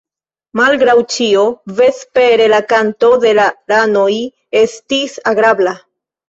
Malgraŭ ĉio, vespere la kanto de la ranoj estis agrabla.